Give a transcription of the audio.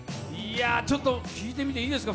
ちょっと聞いてみていいですか？